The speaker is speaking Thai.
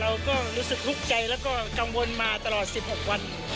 เราก็รู้สึกทุกข์ใจแล้วก็กังวลมาตลอด๑๖วัน